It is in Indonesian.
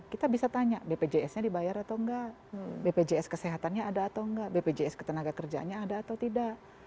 kita bisa tanya bpjs nya dibayar atau enggak bpjs kesehatannya ada atau enggak bpjs ketenaga kerjaannya ada atau tidak